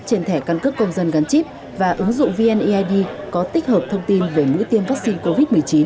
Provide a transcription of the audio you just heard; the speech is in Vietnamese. trên thẻ căn cước công dân gắn chip và ứng dụng vneid có tích hợp thông tin về mũi tiêm vaccine covid một mươi chín